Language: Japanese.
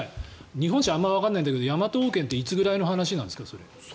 日本史あまりわからないんだけどヤマト王権っていつぐらいの話なんですか？